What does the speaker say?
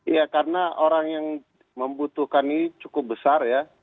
ya karena orang yang membutuhkan ini cukup besar ya